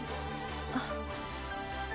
あっ。